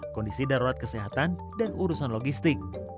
kondisi darurat kesehatan dan urusan logistik